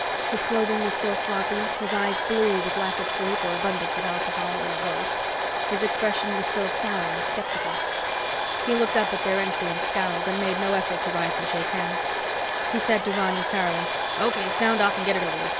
His clothing was still sloppy, his eyes bleary with lack of sleep or abundance of alcohol—or both. His expression was still sour and skeptical. He looked up at their entry and scowled, and made no effort to rise and shake hands. He said to Ronny sourly, "O.K., sound off and get it over with.